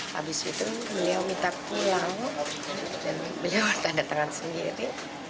habis itu beliau minta pulang dan beliau tanda tangan sendiri